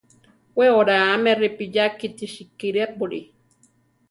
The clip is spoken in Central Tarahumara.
We oráame ripiya kíti sikirépuli.